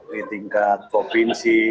di tingkat provinsi